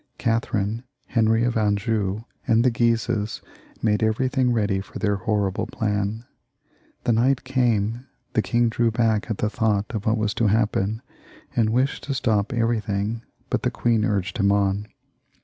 Catherine, Henry of Anjou, and the Guises, made everything ready for their horrible plan. The night came ; the king drew back at the thought of what was to happen, and wished to stop everything, but the queen urged him on.